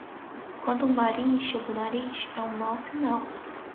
Quando o mar incha no nariz, é um mau sinal.